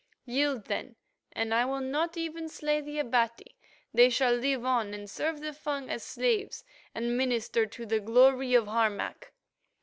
Yield, then, and I will not even slay the Abati; they shall live on and serve the Fung as slaves and minister to the glory of Harmac."